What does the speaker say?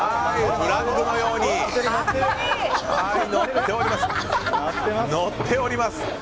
フラッグのようにのっております。